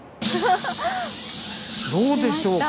どうでしょうか。